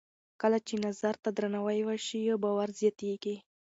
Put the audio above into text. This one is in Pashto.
کله چې نظر ته درناوی وشي، باور زیاتېږي.